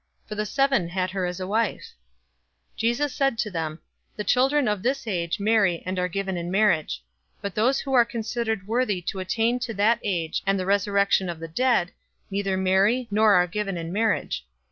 For the seven had her as a wife." 020:034 Jesus said to them, "The children of this age marry, and are given in marriage. 020:035 But those who are considered worthy to attain to that age and the resurrection from the dead, neither marry, nor are given in marriage.